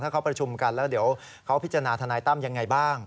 เขาประชุมกันแล้วเดี๋ยวเขาพิจารณาทนายตั้มยังไงบ้าง